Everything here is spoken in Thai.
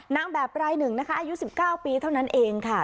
นางแบบรายหนึ่งนะคะอายุ๑๙ปีเท่านั้นเองค่ะ